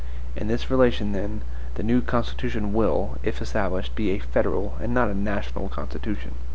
In this relation, then, the new Constitution will, if established, be a FEDERAL, and not a NATIONAL constitution.